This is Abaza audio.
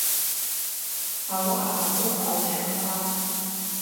Ауаъа агвып агӏвшахатӏ.